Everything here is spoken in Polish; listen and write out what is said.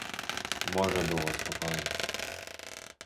"Morze było spokojne."